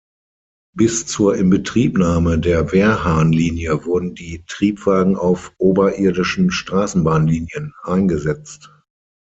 Bis zur Inbetriebnahme der Wehrhahn-Linie wurden die Triebwagen auf oberirdischen Straßenbahnlinien eingesetzt.